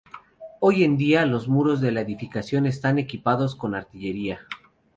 Hoy en día, los muros de la edificación están equipados con artillería.